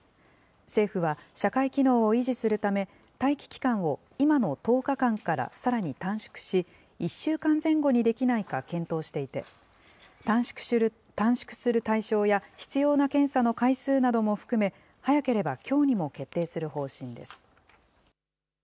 政府は、社会機能を維持するため、待機期間を今の１０日間からさらに短縮し、１週間前後にできないか検討していて、短縮する対象や、必要な検査の回数なども含め、早ければきょうにも決定する方針です。